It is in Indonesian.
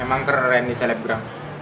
emang keren nih celebgram